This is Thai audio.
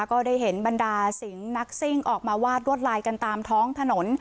ก็ได้เห็นบรรดาสิงห์นักซิ่งออกมาวาดรวดลายกันตามท้องถนน